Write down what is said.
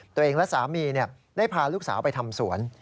ตัวเองและสามีได้พาลูกสาวไปทำสวน